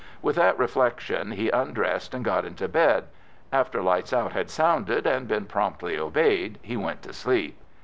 With that reflection he undressed and got into bed. After "lights out" had sounded and been promptly obeyed, he went to sleep....